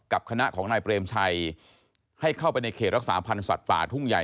คณะของนายเปรมชัยให้เข้าไปในเขตรักษาพันธ์สัตว์ป่าทุ่งใหญ่